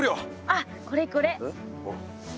あっこれこれ。